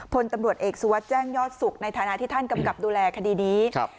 พลตำรวจเอกสุวัสดิ์แจ้งยอดสุขในฐานะที่ท่านกำกับดูแลคดีนี้ครับ